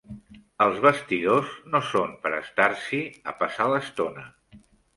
Els vestidors no són per estar-s'hi a passar l'estona.